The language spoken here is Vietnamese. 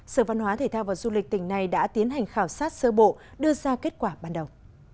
sở văn hóa thể thao và du lịch tỉnh này đã tiến hành khảo sát sơ bộ đưa ra kết quả ban đầu